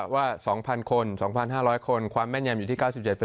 ว่า๒๐๐คน๒๕๐๐คนความแม่นยำอยู่ที่๙๗